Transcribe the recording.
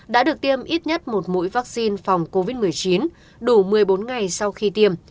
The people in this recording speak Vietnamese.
đã được tiêm ít nhất một mũi vaccine phòng covid một mươi chín đủ một mươi bốn ngày sau khi tiêm